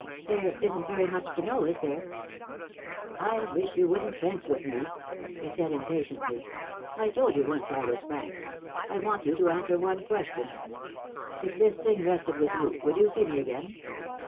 "There isn't very much to know, is there?" "I wish you wouldn't fence with me," he said impatiently. "I told you once I was frank. I want you to answer one question. If this thing rested with you, would you see me again?"